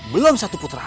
belum satu puteran